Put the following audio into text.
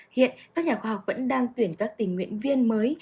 hiện các nhà khoa học vẫn đang tuyển các tình nguyện viên mới